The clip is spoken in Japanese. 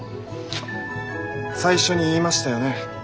最初に言いましたよね。